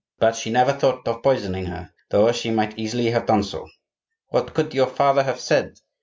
But she never thought of poisoning her, though she might easily have done so. What could your father have said?